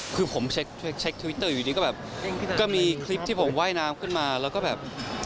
คือผมเช็คทวิตเตอร์อยู่ดีก็แบบก็มีคลิปที่ผมว่ายน้ำขึ้นมาแล้วก็แบบ